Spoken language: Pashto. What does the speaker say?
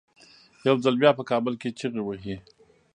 یو ځل بیا په کابل کې چیغې وهي.